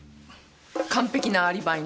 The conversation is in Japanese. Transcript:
完璧なアリバイね。